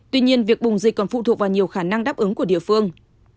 tuy nhiên việc bùng dịch còn phụ thuộc vào nhiều khả năng đáp ứng của địa phương